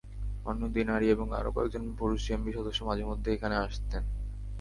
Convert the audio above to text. অন্য দুই নারী এবং আরও কয়েকজন পুরুষ জেএমবি সদস্য মাঝেমধ্যে সেখানে আসতেন।